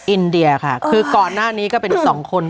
อินเดียค่ะคือก่อนหน้านี้ก็เป็นสองคน